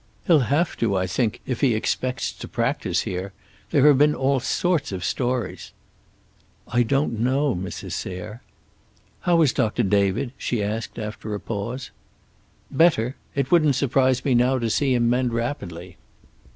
He'll have to, I think, if he expects to practise here. There have been all sorts of stories." "I don't know, Mrs. Sayre." "How is Doctor David?" she asked, after a pause. "Better. It wouldn't surprise me now to see him mend rapidly."